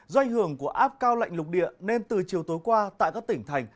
do ảnh hưởng của áp cao lạnh lục địa nên từ chiều tối qua tại các tỉnh thành